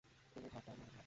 কোনো হার টার নয়!